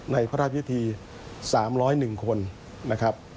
ในพระราชยุทธี๓๐๑คน